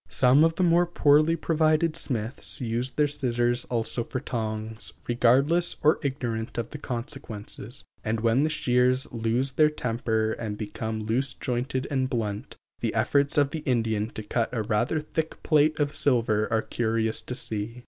Some of the more poorly provided smiths use their scissors also for tongs, regardless or ignorant of consequences, and when the shears lose their temper and become loose jointed and blunt, the efforts of the Indian to cut a rather thick plate of silver are curious to see.